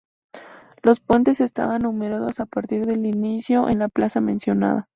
Los puentes estaban numerados a partir del inicio en la plaza mencionada.